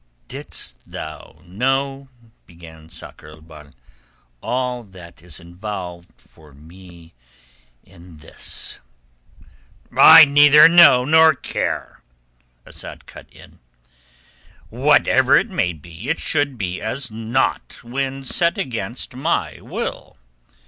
'" "Didst thou know," began Sakr el Bahr, "all that is involved for me in this...." "I neither know nor care," Asad cut in. "Whatever it may be, it should be as naught when set against my will."